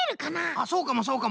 あっそうかもそうかも。